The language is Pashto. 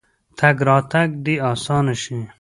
تګ راتګ دې اسانه شي.